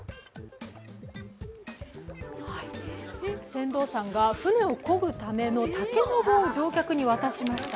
船頭さんが船をこぐための竹の棒を乗客に渡しました。